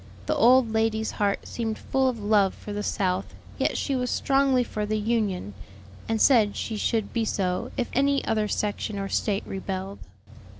The old lady's heart seemed full of love for the South, yet she was strongly for the Union, and said she should be so if any other section or State rebelled.